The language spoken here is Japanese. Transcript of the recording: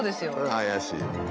怪しいよ。